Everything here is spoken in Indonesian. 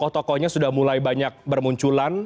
tokoh tokohnya sudah mulai banyak bermunculan